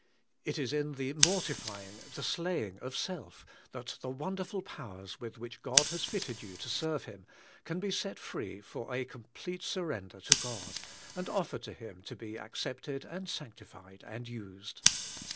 It is in the mortify ing, the slaying of self, that the wonderful powers with which God has fitted you to serve Him, can be set free for a complete surrender to God, and offered to Him to be accepted, and sanctified, and used.